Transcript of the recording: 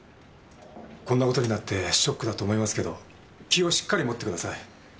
こんな事になってショックだと思いますけど気をしっかり持ってください。